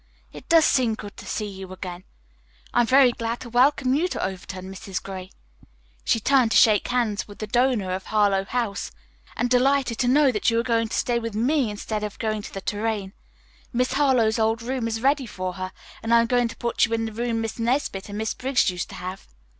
"It does seem good to see you again. I'm very glad to welcome you to Overton, Mrs. Gray," she turned to shake hands with the donor of Harlowe House, "and delighted to know that you are going to stay with me instead of going to the Tourraine. Miss Harlowe's old room is ready for her, and I'm going to put you in the room Miss Nesbit and Miss Briggs used to have."